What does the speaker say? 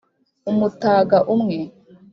umutaga umwe